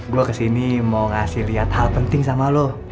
gue kesini mau ngasih lihat hal penting sama lo